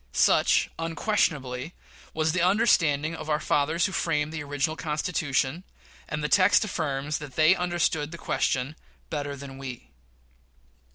Such, unquestionably, was the understanding of our fathers who framed the original Constitution; and the text affirms that they understood the question "better than we."